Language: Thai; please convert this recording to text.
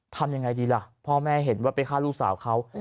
ทำยังไงดีล่ะพ่อแม่เห็นว่าไปฆ่าลูกสาวเขา